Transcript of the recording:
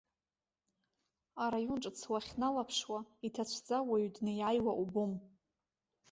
Араион ҿыц уахьналаԥшуа иҭацәӡа, уаҩы днеиааиуа убом.